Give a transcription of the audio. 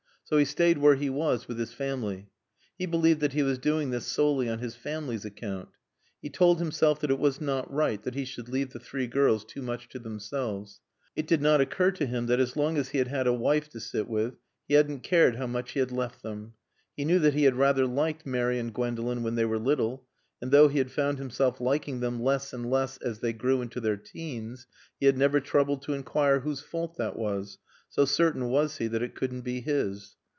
So he stayed where he was with his family. He believed that he was doing this solely on his family's account. He told himself that it was not right that he should leave the three girls too much to themselves. It did not occur to him that as long as he had had a wife to sit with, he hadn't cared how much he had left them. He knew that he had rather liked Mary and Gwendolen when they were little, and though he had found himself liking them less and less as they grew into their teens he had never troubled to enquire whose fault that was, so certain was he that it couldn't be his.